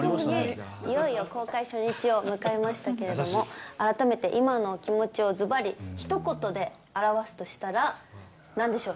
いよいよ公開初日を迎えましたけれども、改めて今のお気持ちをずばりひと言で表すとしたら、なんでしょう。